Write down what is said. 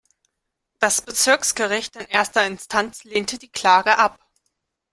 Das Bezirksgericht in erster Instanz lehnte die Klage ab.